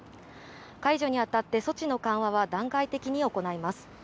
解除にあたって措置の緩和は段階的に行います。